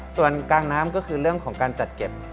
ส่วนกลางน้ำก็คือเรื่องของการจัดเก็บ